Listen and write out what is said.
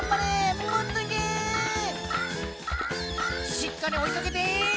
しっかりおいかけて。